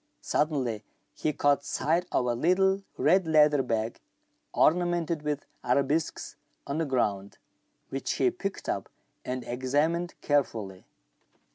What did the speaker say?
Suddenly he caught sight of a little red leather bag, ornamented with arabesques, on the ground, which he picked up and examined carefully.